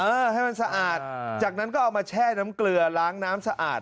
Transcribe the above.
ให้มันสะอาดจากนั้นก็เอามาแช่น้ำเกลือล้างน้ำสะอาด